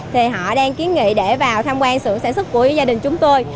thì họ đang kiến nghị để vào tham quan sửa sản xuất của gia đình chúng tôi